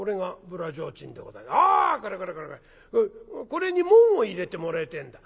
これに紋を入れてもらいてえんだ。